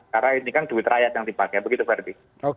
karena ini kan duit rakyat yang dipakai begitu verdi